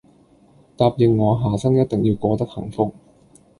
答應我下生一定要過得幸福